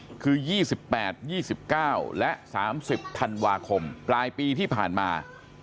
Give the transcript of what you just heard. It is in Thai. คือ๒๘๒๙และ๓๐ธันวาคมปลายปีที่ผ่านมา